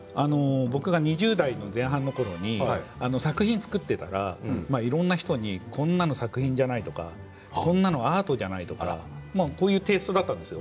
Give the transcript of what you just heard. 僕が２０代の前半のころに作品を作っていたらいろんな人にこんなの作品じゃないとかこんなのアートじゃないとかこういうテーストだったんですよ。